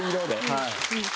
はい。